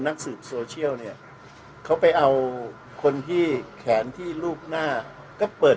นักสืบโซเชียลเนี่ยเขาไปเอาคนที่แขนที่รูปหน้าก็เปิด